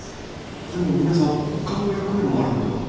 でも皆さんほかの役目もあるのでは？